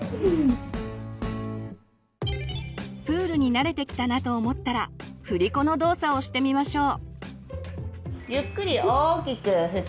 プールに慣れてきたなと思ったらふりこの動作をしてみましょう。